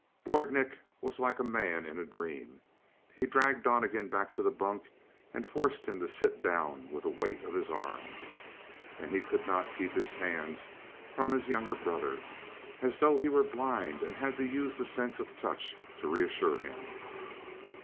Lord Nick was like a man in a dream. He dragged Donnegan back to the bunk and forced him to sit down with the weight of his arms. And he could not keep his hands from his younger brother. As though he were blind and had to use the sense of touch to reassure him.